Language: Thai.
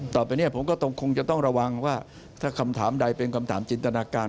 ต่อไปเนี่ยผมก็ต้องคงจะต้องระวังว่าถ้าคำถามใดเป็นคำถามจินตนาการ